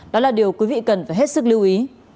đó là điều quý vị cần phải hết sức lưu ý